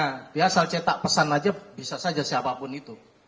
nah dia asal cetak pesan saja bisa saja siapapun itu